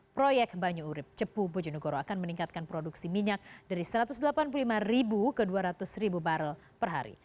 proyek banyu urib cepu bojonegoro akan meningkatkan produksi minyak dari satu ratus delapan puluh lima ke dua ratus barrel per hari